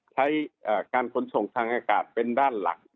ใช้การขนส่งทางอากาศเป็นด้านหลัก